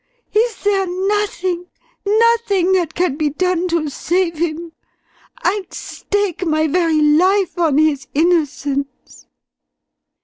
Is there nothing, nothing that can be done to save him? I'd stake my very life on his innocence!"